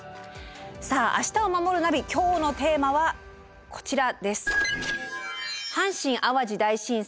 さあ「明日をまもるナビ」今日のテーマはこちらです。